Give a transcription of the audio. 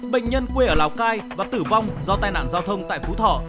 bệnh nhân quê ở lào cai và tử vong do tai nạn giao thông tại phú thọ